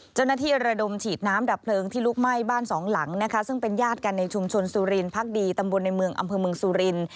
ระดมฉีดน้ำดับเพลิงที่ลุกไหม้บ้านสองหลังนะคะซึ่งเป็นญาติกันในชุมชนสุรินพักดีตำบลในเมืองอำเภอเมืองสุรินทร์